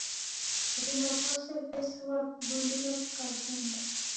Vindo vose vesighwa vibulilo vikavunda.